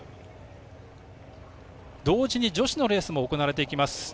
同時に女子のレースも行われていきます。